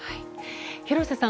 廣瀬さん